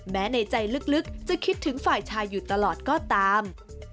ในใจลึกจะคิดถึงฝ่ายชายอยู่ตลอดก็ตาม